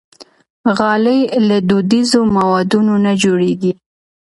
غالۍ له دودیزو موادو نه جوړېږي.